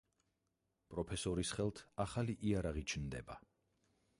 პროფესორის ხელთ ახალი იარაღი ჩნდება.